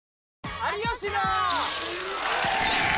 有吉の。